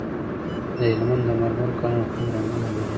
د هلمند د مرمرو کانونه کوم رنګونه لري؟